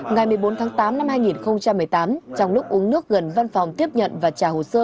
ngày một mươi bốn tháng tám năm hai nghìn một mươi tám trong lúc uống nước gần văn phòng tiếp nhận và trả hồ sơ